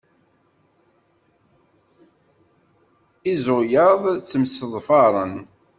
Izuyaḍ ttemseḍfaren.